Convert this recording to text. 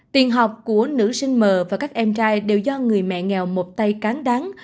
tiền học của nữ sinh mờ và các em trai đều do người mẹ nghèo một tay cán đáng